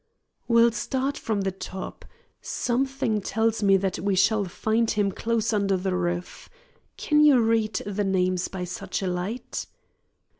"We'll start from the top. Something tells me that we shall find him close under the roof. Can you read the names by such a light?"